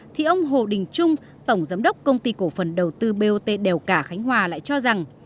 thì ông hồ đình trung tổng giám đốc công ty cổ phần đầu tư bot đèo cả khánh hòa lại cho rằng